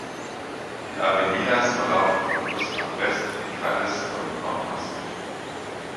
Die Avenidas verlaufen von Ost nach West, die Calles von Nord nach Süd.